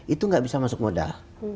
itu nggak bisa masuk modal